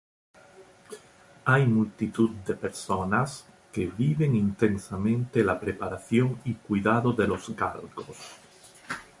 Hay multitud de personas que viven intensamente la preparación y cuidado de los galgos.